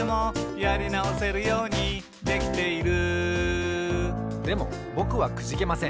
「やりなおせるようにできている」でもぼくはくじけません。